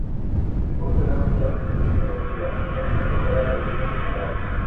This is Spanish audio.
Hoy sabemos que la respuesta es negativa: no existe tal algoritmo general.